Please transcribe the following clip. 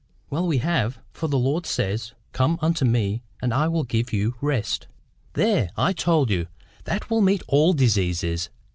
"Well, we have. For the Lord says, 'Come unto me, and I will give you rest.'" "There! I told you! That will meet all diseases."